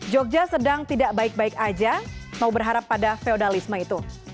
jogja sedang tidak baik baik aja mau berharap pada feodalisme itu